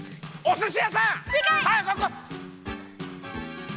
すし。